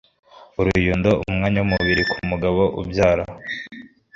Uruyundo umwanya wumubiri ku mugabo ubyara